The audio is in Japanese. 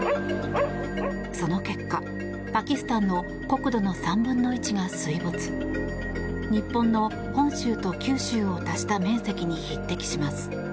その結果、パキスタンの国土の３分の１が水没。日本の本州と九州を足した面積に匹敵します。